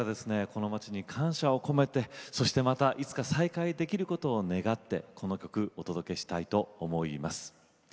この街に感謝を込めてそしてまたいつか再会できることを願ってこの曲お届けしたいと思います。